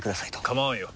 構わんよ。